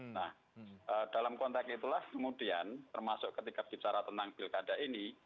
nah dalam konteks itulah kemudian termasuk ketika bicara tentang pilkada ini